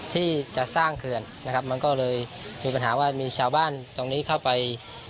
ที่จะสร้างเขื่อนนะครับมันก็เลยมีปัญหาว่ามีชาวบ้านตรงนี้เข้าไป